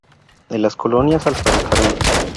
De las colonias al ferrocarril.